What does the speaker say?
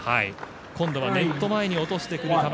今度はネット前に落としてくる球。